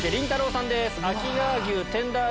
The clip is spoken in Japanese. さんです。